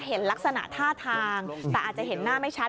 เห็นลักษณะท่าทางแต่อาจจะเห็นหน้าไม่ชัด